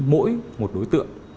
mỗi một đối tượng